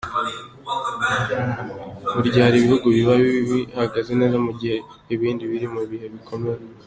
Buri gihe hari ibihugu biba bihagaze neza mu gihe ibindi biri mu bihe bikomeye.